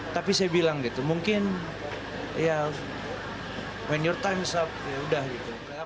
tapi saya bilang gitu mungkin ya when your time is up ya udah gitu